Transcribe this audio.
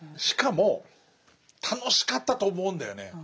しかも楽しかったと思うんだよね。